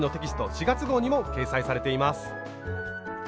４月号にも掲載されています。